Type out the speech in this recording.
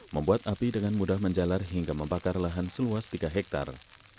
membuat api dengan mudah menjalar hingga membakar lahan seluas tiga hektare